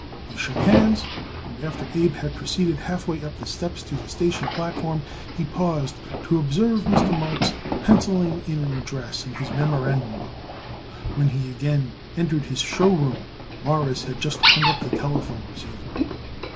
They shook hands, and after Abe had proceeded half way up the steps to the station platform he paused to observe Mr. Marks penciling an address in his memorandum book. When he again entered his show room Morris had just hung up the telephone receiver.